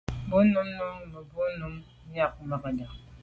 Bo num ngù mebwô num miag mage.